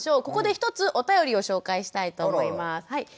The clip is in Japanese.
ここで一つお便りを紹介したいと思います。